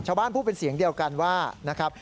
พูดเป็นเสียงเดียวกันว่านะครับ